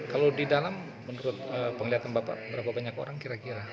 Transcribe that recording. kalau di dalam menurut penglihatan bapak berapa banyak orang kira kira